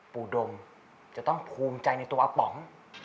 ดมจะต้องภูมิใจในตัวอาป๋อง